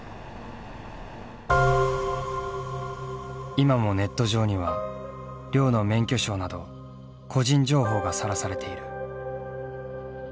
今もネット上には亮の免許証など個人情報がさらされている。